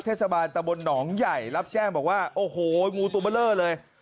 เทศบาลตะบนหนองใหญ่รับแจ้งบอกว่าโอ้โหงูตัวเบอร์เลอร์เลย